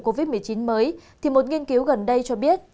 covid một mươi chín mới thì một nghiên cứu gần đây cho biết